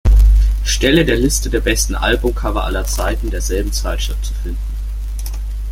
Stelle der Liste der besten Albumcover aller Zeiten derselben Zeitschrift zu finden.